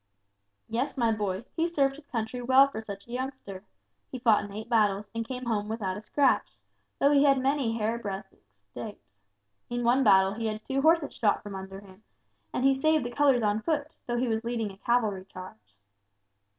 "Yes, my boy, he served his country well for such a youngster, he fought in eight battles, and came home without a scratch, though he had many hair breadth escapes. In one battle he had two horses shot under him, and he saved the colors on foot, though he was leading a cavalry charge."